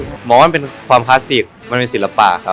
ผมมองว่ามันเป็นความคลาสสิกมันเป็นศิลปะครับ